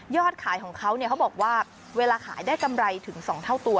ขายของเขาเนี่ยเขาบอกว่าเวลาขายได้กำไรถึง๒เท่าตัว